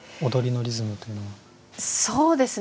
そうですね。